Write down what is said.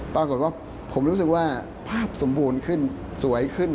ปรากฏว่าผมรู้สึกว่าภาพสมบูรณ์ขึ้นสวยขึ้น